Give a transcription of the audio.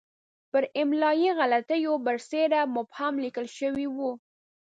پر املایي غلطیو برسېره مبهم لیکل شوی وو.